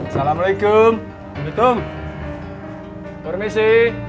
salamualaikum betul permisi